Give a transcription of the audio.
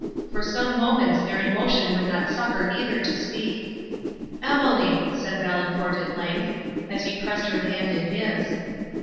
For some moments their emotion would not suffer either to speak. "Emily," said Valancourt at length, as he pressed her hand in his.